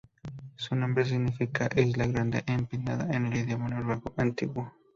Su nombre significa "Isla Grande Empinada" en el idioma noruego antiguo.